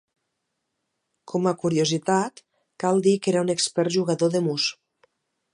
Com a curiositat, cal dir que era un expert jugador de mus.